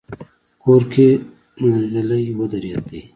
کور کې غلې ودرېدې.